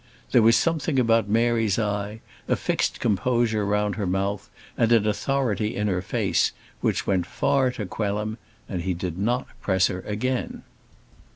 There was something then about Mary's eye, a fixed composure round her mouth, and an authority in her face, which went far to quell him; and he did not press her again.